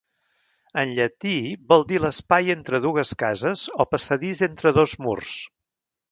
En llatí vol dir l'espai entre dues cases o passadís entre dos murs.